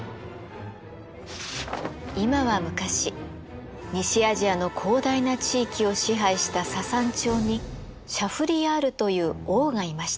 今は昔西アジアの広大な地域を支配したササン朝にシャフリヤールという王がいました。